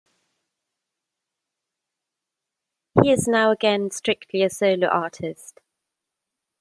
He is now again strictly a solo artist.